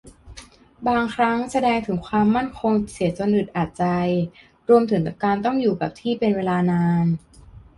บางครั้งแสดงถึงความมั่นคงเสียจนอึดอัดใจ รวมถึงการต้องอยู่กับที่เป็นเวลานาน